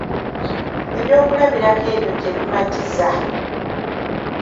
Ebyokulabirako ebyo tebimatiza.